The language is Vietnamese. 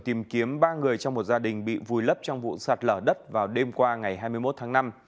tìm kiếm ba người trong một gia đình bị vùi lấp trong vụ sạt lở đất vào đêm qua ngày hai mươi một tháng năm